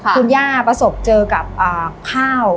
คุณย่าประสบเจอกับข้าว